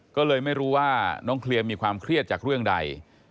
ก็เลยไม่รู้ว่าน้องเคลียร์มีความเครียดจากเรื่องใด